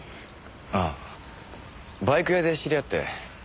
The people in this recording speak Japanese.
ああバイク屋で知り合って。